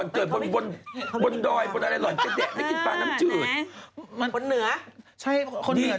เป็นคนไม่กินปลาน้ำจืดค่ะ